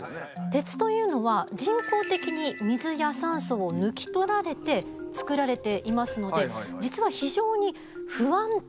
鉄というのは人工的に水や酸素を抜き取られて作られていますので実は非常に不安定な状態なんです。